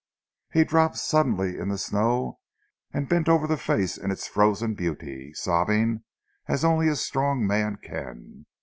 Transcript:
He dropped suddenly in the snow, and bent over the face in its frozen beauty, sobbing as only a strong man can.